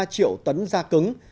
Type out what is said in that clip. sáu mươi ba triệu tấn da cứng